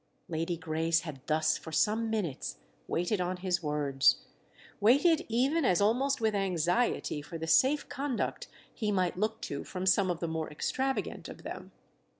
Lady Grace had thus for some minutes waited on his words—waited even as almost with anxiety for the safe conduct he might look to from some of the more extravagant of them.